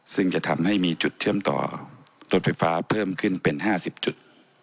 ซึ่งจะทำให้มีจุดเชื่อมต่อรถไฟฟ้าเพิ่มขึ้นเป็น๕๐จุด